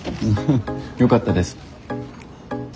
よかったです。